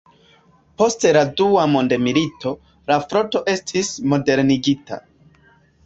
Post la Dua mondmilito, la floto estis modernigita.